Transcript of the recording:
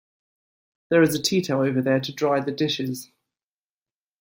There is a tea towel over there to dry the dishes